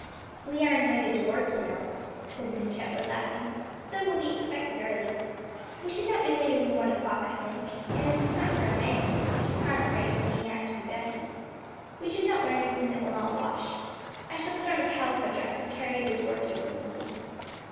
"We are invited to work, you know," said Miss Chetwood, laughing, "so will be expected early; we should not be later than one o'clock, I think, and as it is not very nice work carpet rags being apt to be dusty we should not wear anything that will not wash. I shall put on a calico dress and carry a big work apron with me."